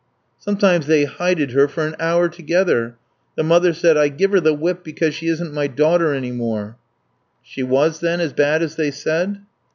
Sometimes they hided her for an hour together. The mother said, 'I give her the whip because she isn't my daughter any more.'" "She was then as bad as they said?"